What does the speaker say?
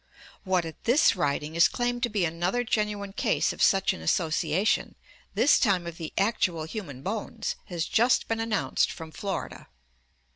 What at this writing is claimed to be another genuine case of such an association, this time of the actual human bones, has just been announced from Florida.